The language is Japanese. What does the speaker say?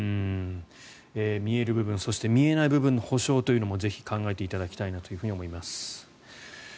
見える部分、そして見えない部分の補償というのもぜひ考えていただきたいと思います。